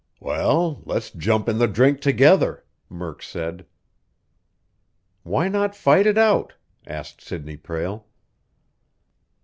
"Well, let's jump in the drink together," Murk said. "Why not fight it out?" asked Sidney Prale.